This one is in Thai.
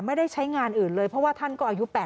ไม่ได้ใช้งานอื่นเลยเพราะว่าท่านก็อายุ๘๐